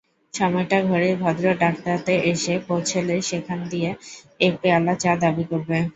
সময়টা ঘড়ির ভদ্র দাগটাতে এসে পৌঁছলেই সেখানে গিয়ে এক পেয়ালা চা দাবি করবে।